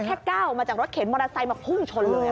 ก้าวมาจากรถเข็นมอเตอร์ไซค์มาพุ่งชนเลย